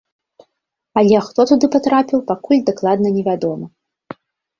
Але хто туды патрапіў, пакуль дакладна не вядома.